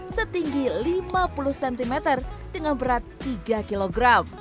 setinggi lima puluh cm dengan berat tiga kg